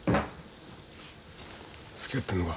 付き合ってんのか。